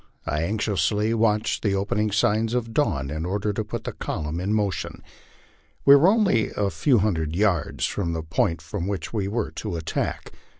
I anxiously watched the opening signs of dawn in order to put the column in motion. We were only a few hundred yards from the point from which we were to attack.